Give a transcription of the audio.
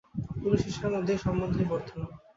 গুরু-শিষ্যের মধ্যে এই সম্বন্ধই বর্তমান।